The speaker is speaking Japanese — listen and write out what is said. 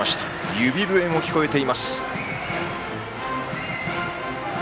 指笛も聞こえています。